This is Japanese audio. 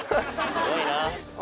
すごいなあ。